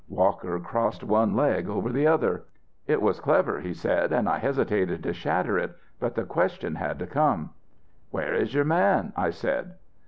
'" Walker crossed one leg over the other. "It was clever," he said, "and I hesitated to shatter it. But the question had to come. "'Where is your man?' I said.